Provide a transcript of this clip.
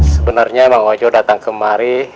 sebenernya maujot datang kemari